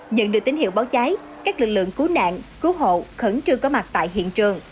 nhận được tín hiệu báo cháy các lực lượng cứu nạn cứu hộ khẩn trương có mặt tại hiện trường